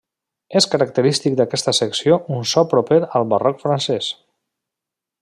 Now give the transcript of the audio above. És característic d'aquesta secció un so proper al barroc francès.